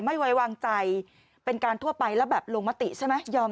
ไม่ไว้วางใจเป็นการทั่วไปแล้วแบบลงมติใช่ไหมยอม